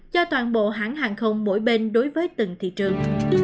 cho toàn bộ hãng hàng không mỗi bên đối với từng thị trường